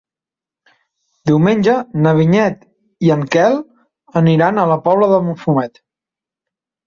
Diumenge na Vinyet i en Quel aniran a la Pobla de Mafumet.